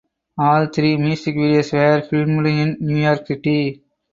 All three music videos were filmed in New York City.